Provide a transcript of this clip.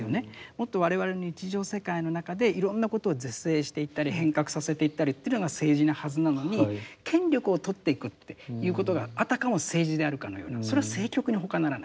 もっと我々の日常世界の中でいろんなことを是正していったり変革させていったりというのが政治なはずなのに権力を取っていくっていうことがあたかも政治であるかのようなそれは政局にほかならない。